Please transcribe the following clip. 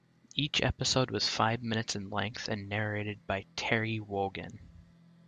Each episode was five minutes in length and narrated by Terry Wogan.